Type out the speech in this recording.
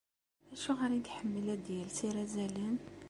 Acuɣer i iḥemmel ad yels irazalen?